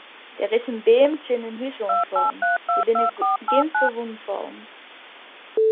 Der is in beam tsjin in hús oan fallen, der binne gjin ferwûnen fallen.